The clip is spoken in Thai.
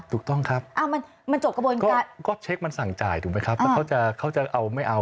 ถูกต้องครับก็เช็คมันสั่งจ่ายถูกไหมครับแต่เขาจะเอาไม่เอา